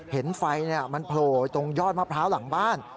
เห็นไฟมันโผล่ตรงยอดมะพร้าวหลังบ้าน